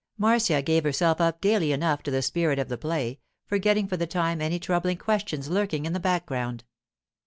Marcia gave herself up gaily enough to the spirit of the play, forgetting for the time any troubling questions lurking in the background.